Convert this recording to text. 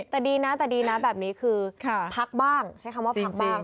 แต่ดีนะแต่ดีนะแบบนี้คือพักบ้างใช้คำว่าพักบ้าง